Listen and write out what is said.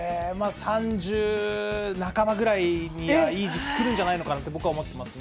３０半ばぐらいには、いい時期来るんじゃないのかなと僕は思ってますね。